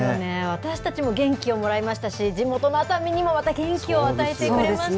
私たちも元気をもらいましたし、地元の熱海にも、また元気を与え